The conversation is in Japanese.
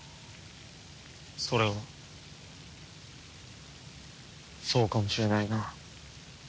それはそうかもしれないな。